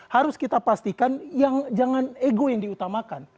harus kita pastikan yang jangan ego yang diutamakan